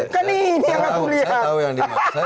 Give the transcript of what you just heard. saya tahu yang dimaksud